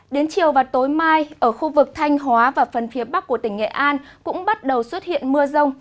đến chiều và tối mai ở khu vực thanh hóa và phần phía bắc của tỉnh nghệ an cũng bắt đầu xuất hiện mưa rông